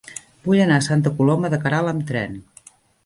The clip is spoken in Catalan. Vull anar a Santa Coloma de Queralt amb tren.